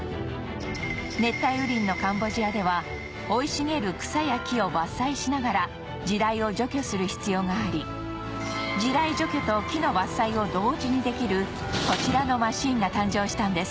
熱帯雨林のカンボジアでは生い茂る草や木を伐採しながら地雷を除去する必要があり地雷除去と木の伐採を同時にできるこちらのマシンが誕生したんです